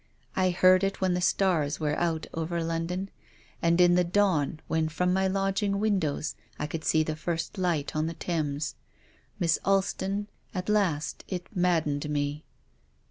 I heard it when the stars were out over London, and in the dawn, when from my lodging windows I could see the first light on the Thames. Miss Alston, at last it maddened me."